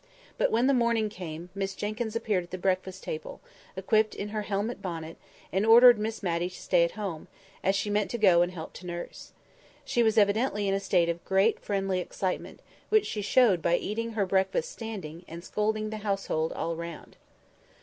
But when the morning came, Miss Jenkyns appeared at the breakfast table, equipped in her helmet bonnet, and ordered Miss Matty to stay at home, as she meant to go and help to nurse. She was evidently in a state of great friendly excitement, which she showed by eating her breakfast standing, and scolding the household all round.